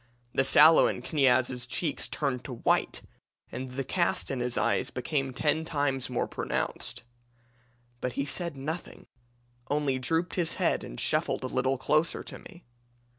The sallow in Kniaz's cheeks turned to white, and the cast in his eyes became ten times more pronounced. But he said nothing only drooped his head and shuffled a little closer to me.